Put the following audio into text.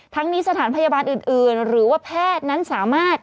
ทั้งนี้สถานพยาบาลอื่นหรือว่าแพทย์นั้นสามารถ